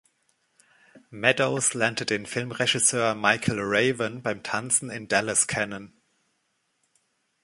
Meadows lernte den Filmregisseur Michael Raven beim Tanzen in Dallas kennen.